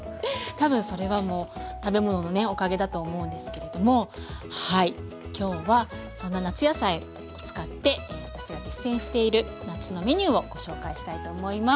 多分それはもう食べ物のねおかげだと思うんですけれどもはい今日はそんな夏野菜を使って私が実践している夏のメニューをご紹介したいと思います。